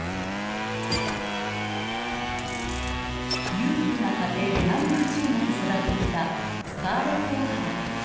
裕福な家庭で何不自由なく育ってきたスカーレット・オハラ。